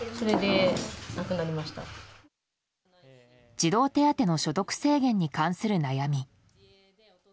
児童手当の所得制限に関する悩み。